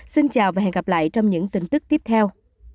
xin chào và hẹn gặp lại trong những tin tức tiếp theo